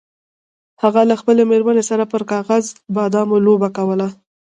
هغه له خپلې میرمنې سره پر کاغذي بادامو لوبه کوله.